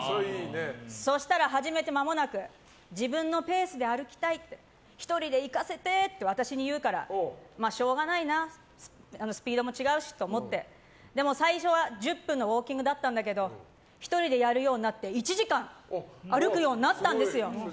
そしたら、始めて間もなく自分のペースで歩きたい１人で行かせてって私に言うからしょうがないなスピードも違うしって思って最初は１０分のウォーキングだったけど１人でやるようになって１時間とか行ってたよね？